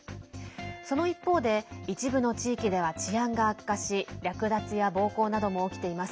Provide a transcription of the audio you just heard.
その一方で一部の地域では治安が悪化し略奪や暴行なども起きています。